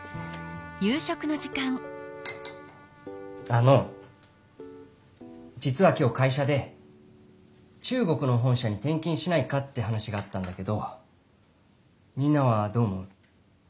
あのじつは今日会社で中国の本社にてんきんしないかって話があったんだけどみんなはどう思う？